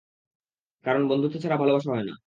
কারন বন্ধুত্ব ছাড়া ভালোবাসা হয় না।